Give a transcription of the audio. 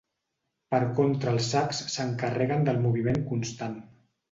Per contra els sacs s'encarreguen del moviment constant.